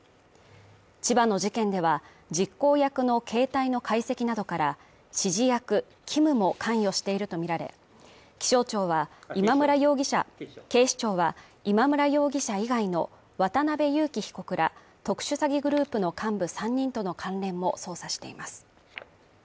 千葉の事件では、実行役の携帯の解析などから、指示役Ｋｉｍも関与しているとみられ、警視庁は、今村容疑者以外の渡辺優樹被告ら特殊詐欺グループの幹部３人との関連も捜査しています。